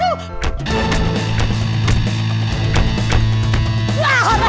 hehehe kayak surti nih kan